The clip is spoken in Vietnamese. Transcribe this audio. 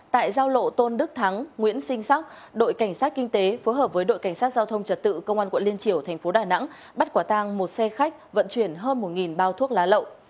tại giao lộ tôn đức thắng nguyễn sinh sóc đội cảnh sát kinh tế phối hợp với đội cảnh sát giao thông trật tự công an quận liên triều thành phố đà nẵng bắt quả tang một xe khách vận chuyển hơn một bao thuốc lá lậu